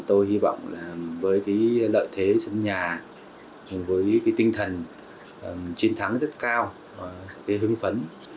tôi hy vọng là với cái lợi thế sân nhà cùng với cái tinh thần chiến thắng rất cao hưng phấn